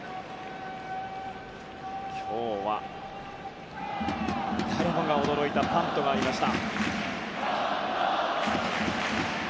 今日は誰もが驚いたバントがありました。